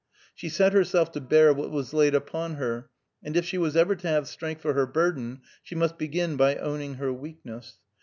She set herself to bear what was laid upon her, and if she was ever to have strength for her burden she must begin by owning her weakness.